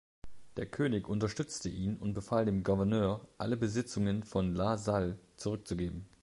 Der König unterstützte ihn und befahl dem Gouverneur, alle Besitzungen von La Salle zurückzugeben.